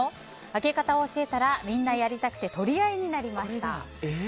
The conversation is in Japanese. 開け方を教えたらみんなやりたくて取り合いになりました。